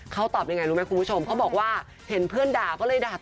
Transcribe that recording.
เขาตอบยังไงรู้ไหมคุณผู้ชมเขาบอกว่าเห็นเพื่อนด่าก็เลยด่าต่อ